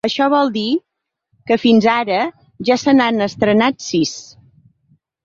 Això vol dir que fins ara ja se n’han estrenat sis.